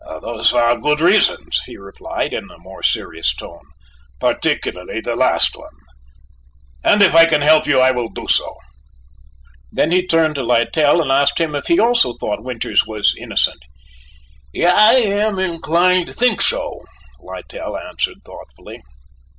"Those are good reasons," he replied, in a more serious tone, "particularly the last one, and if I can help you, I will do so." Then he turned to Littell and asked him if he also thought Winters was innocent. "I am inclined to think so," Littell answered thoughtfully.